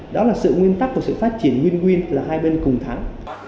đó là sự nguyên tắc của sự phát triển nguyên nguyên là hai bên cùng thắng